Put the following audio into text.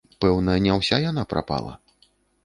Пэўна, не ўся яна прапала.